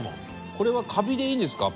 これはカビでいいんですか？